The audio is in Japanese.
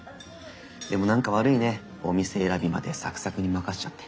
でも何か悪いねお店選びまでサクサクに任せちゃって。